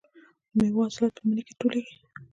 د میوو حاصلات په مني کې ټولېږي.